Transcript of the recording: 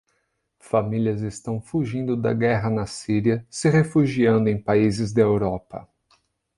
Famílias estão fugindo da guerra na Síria, se refugiando em países da Europa